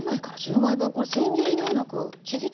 これせん切りではなくちぎったもの。